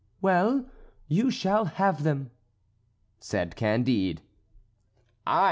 "Well, you shall have them," said Candide. "Ay!"